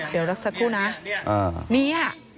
เดี๋ยวสักครู่นะเนี่ย